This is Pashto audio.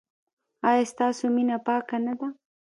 ایا ستاسو مینه پاکه نه ده؟